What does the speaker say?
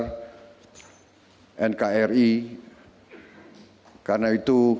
karena itu kita harus mencari kekuatan yang terbaik untuk bangsa untuk bangsa